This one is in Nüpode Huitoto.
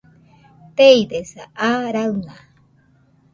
Teidesa, aa raɨna